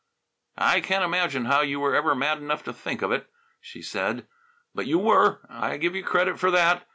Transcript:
"I can't imagine how you were ever mad enough to think of it," she said, "but you were. I give you credit for that.